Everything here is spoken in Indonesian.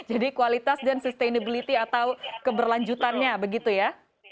jadi kualitas dan sustainability atau keberlanjutannya begitu ya